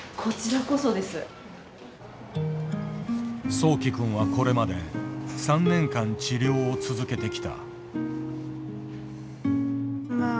そうき君はこれまで３年間治療を続けてきた。